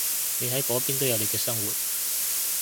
你喺嗰邊都有你嘅生活